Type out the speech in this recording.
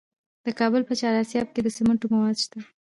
د کابل په چهار اسیاب کې د سمنټو مواد شته.